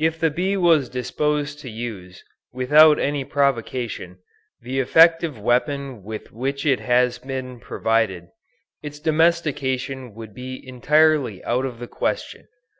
If the bee was disposed to use, without any provocation, the effective weapon with which it has been provided, its domestication would be entirely out of the question.